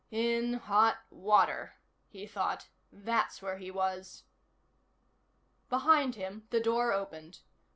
In hot water, he thought. That's where he was. Behind him, the door opened.